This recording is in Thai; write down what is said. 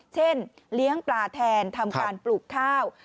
เลี้ยงปลาแทนทำการปลูกข้าว